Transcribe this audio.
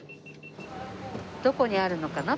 どこにあるのかな？